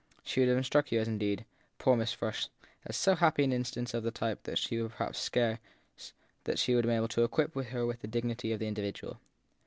She would have struck you indeed, poor Miss Erush, as so happy an instance of the type that you would perhaps scarce have been able to equip her with the dignity of the individual.